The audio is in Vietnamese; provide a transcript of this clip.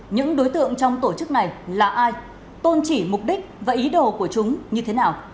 những đối tượng trong tổ chức này là ai tôn chỉ mục đích và ý đồ của chúng như thế nào